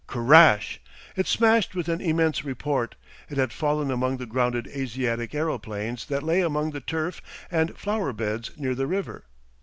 CRASH! It smashed with an immense report. It had fallen among the grounded Asiatic aeroplanes that lay among the turf and flower beds near the river.